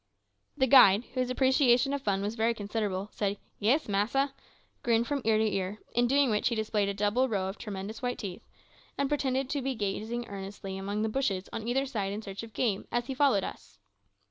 The guide, whose appreciation of fun was very considerable, said, "Yis, massa," grinned from ear to ear, in doing which he displayed a double row of tremendous white teeth, and pretended to be gazing earnestly among the bushes on either side in search of game, as he followed us.